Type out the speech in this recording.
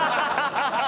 ハハハハ！